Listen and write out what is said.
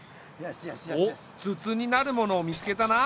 おっ筒になるものを見つけたな。